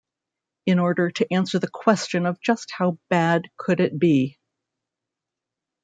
In order to answer the question of just how bad could it be?